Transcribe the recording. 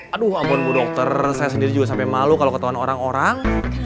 aduh ampun bu dokter saya sendiri juga sampe malu kalo ketauan orang orang